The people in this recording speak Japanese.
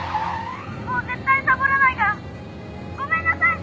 「もう絶対サボらないから。ごめんなさい！」